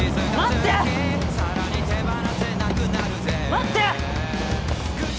待って！